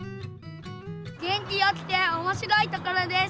元気よくておもしろいところです。